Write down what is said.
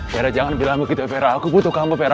berah jangan bilang begitu aku butuh kamu